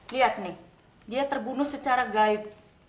lihat nih dia terbunuh secara gaib